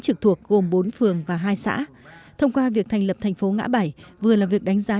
trực thuộc gồm bốn phường và hai xã thông qua việc thành lập thành phố ngã bảy vừa là việc đánh giá